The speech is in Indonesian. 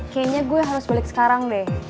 kayaknya gue harus balik sekarang deh